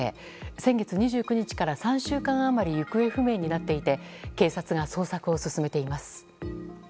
先月２９日から３週間余り行方不明になっていて警察が捜索を進めています。